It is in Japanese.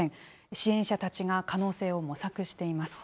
支援者たちが可能性を模索しています。